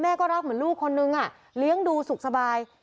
รักเหมือนลูกคนนึงเลี้ยงดูสุขสบาย